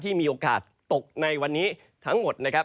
มีโอกาสตกในวันนี้ทั้งหมดนะครับ